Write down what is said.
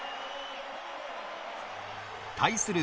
対する